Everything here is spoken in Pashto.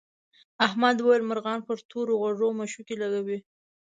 احمد وویل مرغان پر تور غوږو مښوکې لکوي.